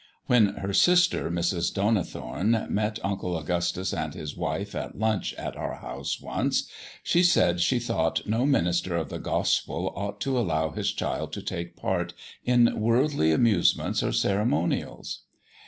When her sister, Mrs. Donnithorne, met Uncle Augustus and his wife at lunch at our house once, she said she thought no minister of the Gospel ought to allow his child to take part in worldly amusements or ceremonials.